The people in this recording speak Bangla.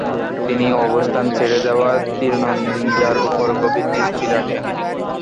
তিনি অবস্থান ছেড়ে যাওয়া তীরন্দাজদের উপর গভীর দৃষ্টি রাখেন।